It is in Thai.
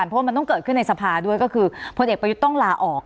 เพราะว่ามันต้องเกิดขึ้นในสภาด้วยก็คือพลเอกประยุทธ์ต้องลาออก